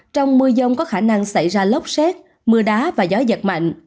trong mưa dông có khả năng xảy ra lốc xét mưa đá và gió giật mạnh